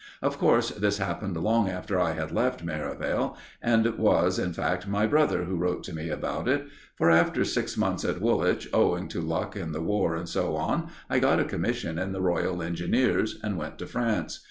Of course, this happened long after I had left Merivale, and it was, in fact, my brother who wrote to me about it; for after six months at Woolwich, owing to luck and the War, and so on, I got a commission in the Royal Engineers, and went to France.